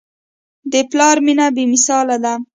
د پلار مینه بېمثاله ده.